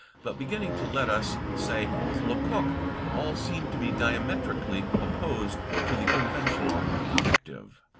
But, beginning let us say, with Lecoq, all seem to be diametrically opposed to the conventional detective.